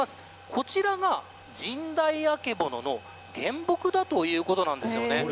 こちらが、ジンダイアケボノの原木だということなんですよね。